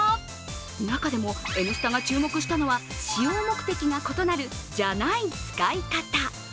中でも「Ｎスタ」が注目したのは使用目的が異なる「じゃない使い方